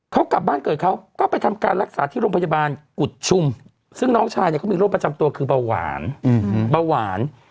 เขากลับบ้านเกิดเขาก็ไปทำการรักษาที่โรงพยาบาลกุฎชุมซึ่งน้องชายเนี่ยเขามีโรคประจำตัวคือเบาหวานเบาหวาน